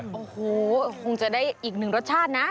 โอ้โหคงจะได้อีกหนึ่งรสชาตินะ